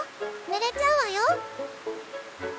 ぬれちゃうわよ！」。